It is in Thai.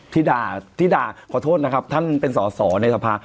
ที่ด่าขอโทษนะครับท่านเป็นส่อในสภา